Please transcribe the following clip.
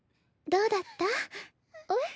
どうだった？えっ？